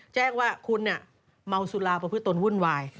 แจ้งว่าคุณเมาสุราประพฤติตนวุ่นวาย